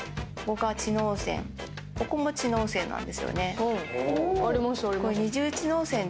ここも知能線なんですよね。